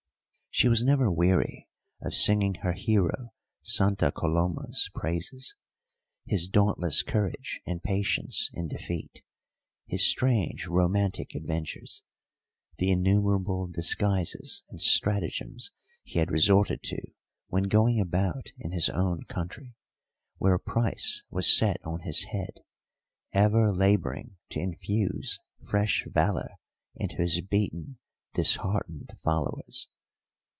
She was never weary of singing her hero Santa Coloma's praises his dauntless courage and patience in defeat; his strange romantic adventures; the innumerable disguises and stratagems he had resorted to when going about in his own country, where a price was set on his head; ever labouring to infuse fresh valour into his beaten, disheartened followers.